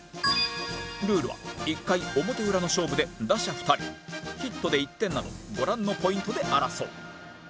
ルールは１回表裏の勝負で打者２人ヒットで１点などご覧のポイントで争う